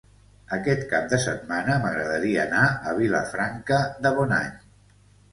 Aquest cap de setmana m'agradaria anar a Vilafranca de Bonany.